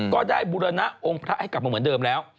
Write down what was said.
ก็ได้บุรณะองค์พระให้กลับมาเหมือนเดิมแล้ว